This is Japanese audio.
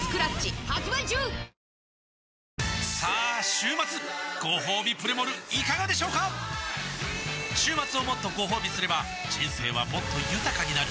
週末ごほうびプレモルいかがでしょうか週末をもっとごほうびすれば人生はもっと豊かになる！